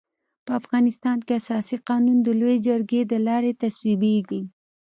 په افغانستان کي اساسي قانون د لويي جرګي د لاري تصويبيږي.